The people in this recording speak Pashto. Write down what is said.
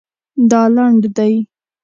دا لنډ دی